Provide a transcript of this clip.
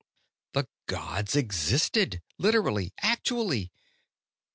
The gods existed, literally, actually.